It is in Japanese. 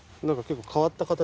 なかに結構変わった。